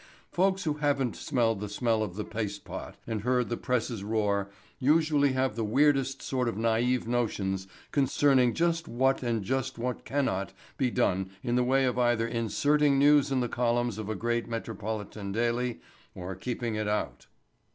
Folks who haven't smelt the smell of the paste pot and heard the presses roar usually have the weirdest sort of naive notions concerning just what and just what cannot be done in the way of either inserting news in the columns of a great metropolitan daily or keeping it out.